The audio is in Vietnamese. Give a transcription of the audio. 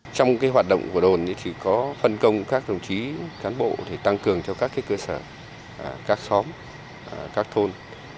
trong hoạt động của đồn thì chỉ có phân công các đồng chí cán bộ tăng cường cho các cơ sở các xóm các thôn